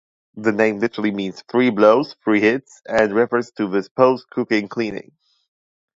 The name literally means "three blows, three hits" and refers to this post-cooking cleaning.